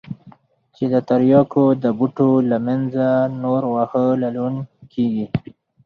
چې د ترياکو د بوټو له منځه نور واښه للون کېږي.